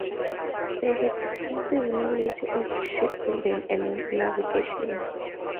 They had extensive knowledge of shipbuilding and navigation.